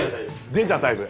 できちゃうタイプ。